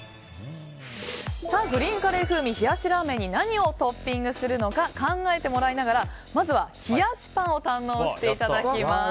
グリーンカレー風味冷やしラーメンに何をトッピングするのか考えてもらいながらまずは冷やしパンを堪能していただきます。